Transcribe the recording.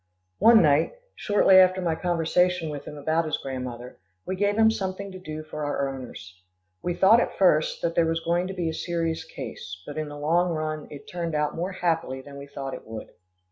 One night, shortly after my conversation with him about his grandmother, we gave him something to do for our owners. We thought at first that there was going to be a serious case, but in the long run it turned out more happily than we thought it would.